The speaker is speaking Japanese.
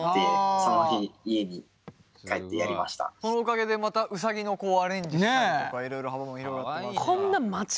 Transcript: そのおかげでまたうさぎのアレンジしたりとかいろいろ幅も広がってますが。